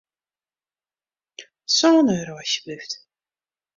Sân euro, asjeblyft.